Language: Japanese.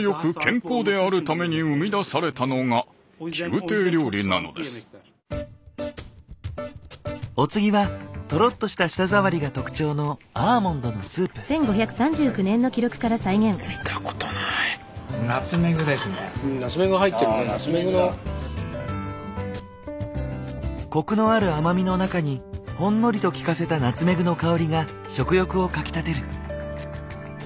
入っていたのはお次はとろっとした舌触りが特徴のコクのある甘みの中にほんのりと効かせたナツメグの香りが食欲をかきたてる。